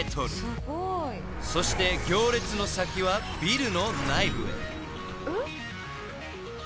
［そして行列の先はビルの内部へ］